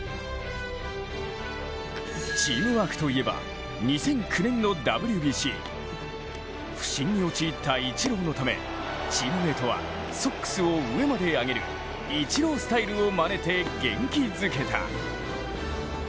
チームワークといえば２００９年のＷＢＣ不振に陥ったイチローのためチームメートはソックスを上まで上げるイチロースタイルをまねて元気づけた。